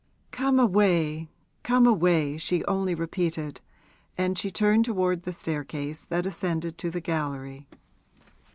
'Come away come away,' she only repeated; and she turned toward the staircase that ascended to the gallery.